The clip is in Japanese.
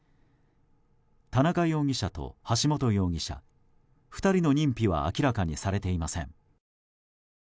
田中容疑者と橋本容疑者２人の認否は明らかにされていません。